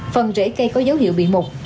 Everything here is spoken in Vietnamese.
phần rễ cây có dấu hiệu bị mục